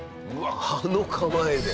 あの構えで。